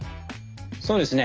そうですね。